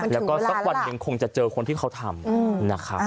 แล้วก็สักวันยังคงจะเจอคนที่เขาทำ